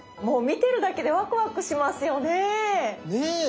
もう見てるだけでワクワクしますよね。ね。